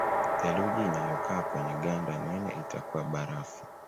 Theluji inayokaa kwenye ganda nene itakuwa barafu